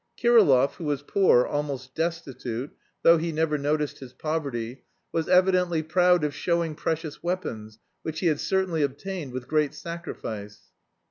Kirillov, who was poor, almost destitute, though he never noticed his poverty, was evidently proud of showing precious weapons, which he had certainly obtained with great sacrifice.